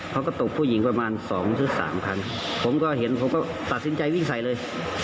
เขาก็ตบผู้หญิงประมาณสองถึงสามคันผมก็เห็นผมก็ตัดสินใจวิ่งใส่เลย